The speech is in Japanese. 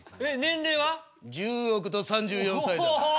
１０億と３４歳だ。